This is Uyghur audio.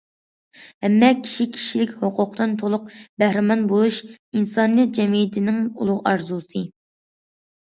ھەممە كىشى كىشىلىك ھوقۇقتىن تولۇق بەھرىمەن بولۇش ئىنسانىيەت جەمئىيىتىنىڭ ئۇلۇغ ئارزۇسى.